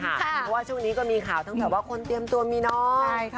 เพราะว่าช่วงนี้ก็มีข่าวตั้งแต่ว่าคนเตรียมตัวมีน้อย